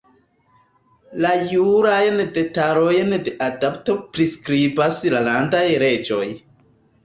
La jurajn detalojn de adopto priskribas la landaj leĝoj.